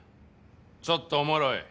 ちょっとおもろい。